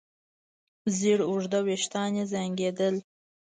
زېړ اوږده وېښتان يې زانګېدل.